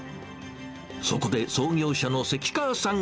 そこで創業者の関川さん